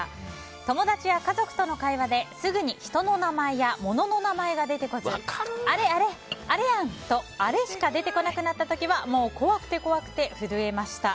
友達や家族のと会話ですぐに人の名前や物の名前が出てこずあれ、あれ、あれやん！とあれしか出なくなった時はもう怖くて怖くて震えました。